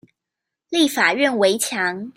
立法院圍牆